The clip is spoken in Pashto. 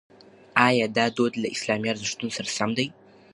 ایا دا دود له اسلامي ارزښتونو سره سم دی؟